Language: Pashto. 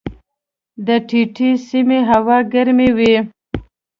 د ټیټې سیمې هوا ګرمې وي.